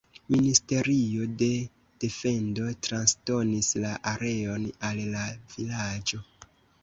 Ministerio de defendo transdonis la areon al la vilaĝo.